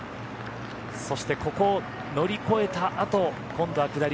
そしてここを乗り越えたあと今度は下り